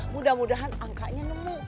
mudah mudahan angkanya nemu